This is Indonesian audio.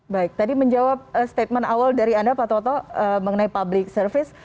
baik tadi menjawab statement awal dari anda pak toto mengenai public service